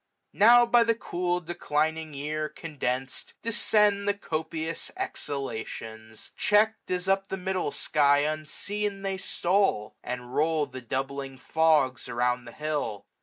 Now, by the cool declining year condens'd, 705 Descend the copious exhalations ^ check'd u 2 148 AUTUMN. As up the middle sky unseen they stole ; And roll the doubling fogs around the hilt.